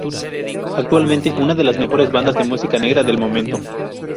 Actualmente una de las mejores bandas de música negra del momento.